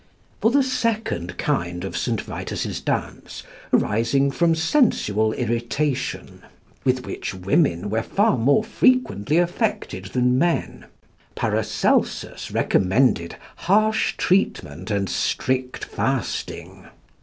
For the second kind of St. Vitus's dance, arising from sensual irritation, with which women were far more frequently affected than men, Paracelsus recommended harsh treatment and strict fasting.